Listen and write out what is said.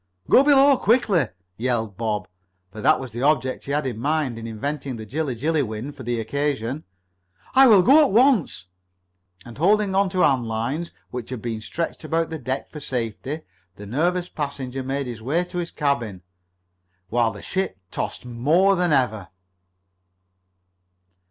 "Go below quickly!" yelled Bob, for that was the object he had in mind in inventing the Jilla Jilly wind for the occasion. "I will! I'll go at once!" And, holding on to hand lines which had been stretched about the deck for safety, the nervous passenger made his way to his cabin, while the ship tossed more than ever.